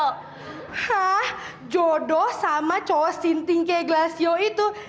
hah jodoh sama cowok sinting kayak galassio itu